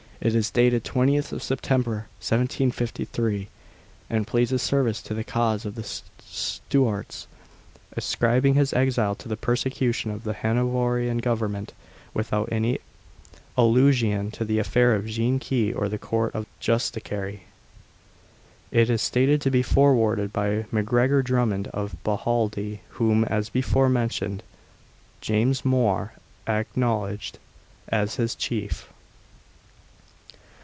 It is dated 20th September 1753, and pleads his service to the cause of the Stuarts, ascribing his exile to the persecution of the Hanoverian Government, without any allusion to the affair of Jean Key, or the Court of Justiciary. It is stated to be forwarded by MacGregor Drummond of Bohaldie, whom, as before mentioned, James Mhor acknowledged as his chief.